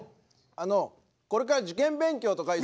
あのこれから受験勉強とか忙し。